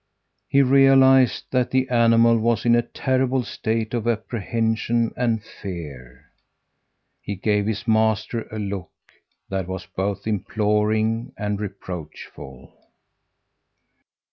He realized that the animal was in a terrible state of apprehension and fear. He gave his master a look that was both imploring and reproachful.